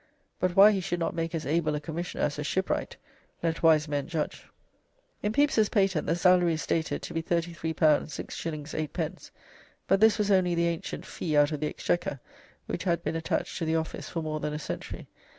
But why he should not make as able a Commissioner as a Shipp wright lett wise men judge." In Pepys's patent the salary is stated to be L33 6s. 8d., but this was only the ancient "fee out of the Exchequer," which had been attached to the office for more than a century.